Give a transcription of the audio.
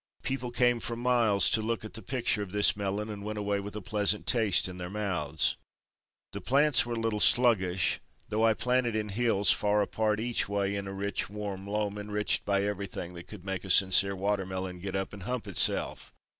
People came for miles to look at the picture of this melon and went away with a pleasant taste in their mouths. The plants were a little sluggish, though I planted in hills far apart each way in a rich warm loam enriched by everything that could make a sincere watermelon get up and hump itself.